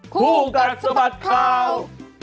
คู่กันสมัครคราว